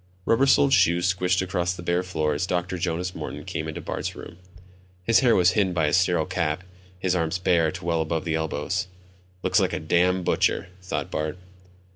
Rubber soled shoes squished across the bare floor as Dr. Jonas Morton came into Bart's room. His hair was hidden by a sterile cap, his arms bare to well above the elbows. Looks like a damned butcher, thought Bart.